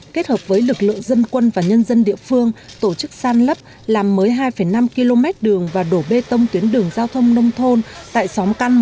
kết hợp với lực lượng dân quân và nhân dân địa phương tổ chức san lấp làm mới hai năm km đường và đổ bê tông tuyến đường giao thông nông thôn tại xóm căn